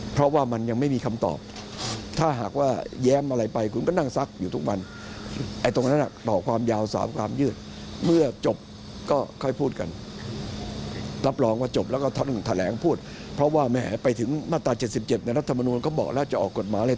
เพราะว่าแม้ไปถึงมาตรา๗๗รัฐบาลก็บอกแล้วจะออกกฎหมายเลย